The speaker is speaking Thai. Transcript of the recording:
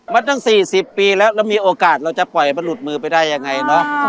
มันตั้ง๔๐ปีแล้วแล้วมีโอกาสเราจะปล่อยมันหลุดมือไปได้ยังไงเนอะ